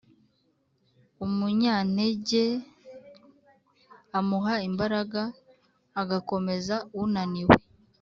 Umunyantege amuha imbaraga, agakomeza unaniwe.